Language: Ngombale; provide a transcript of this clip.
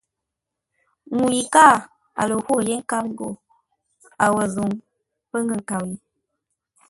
Ŋuu yi káa a lə ghwô yé nkâp ghó a wǒ zǔŋ, pə ŋə́ nkâp ye.